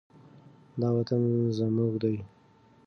دا وطن زموږ دی.